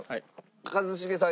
一茂さん